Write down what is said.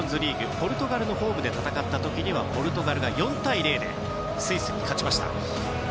ポルトガルのホームで戦った時にはポルトガルが４対０でスイスに勝ちました。